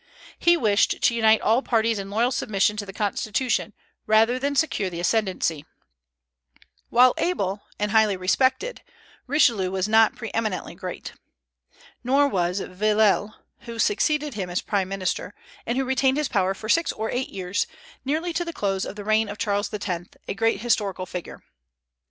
He wished to unite all parties in loyal submission to the constitution, rather than secure the ascendency of any. While able and highly respected, Richelieu was not pre eminently great. Nor was Villèle, who succeeded him as prime minister, and who retained his power for six or eight years, nearly to the close of the reign of Charles X., a great historical figure.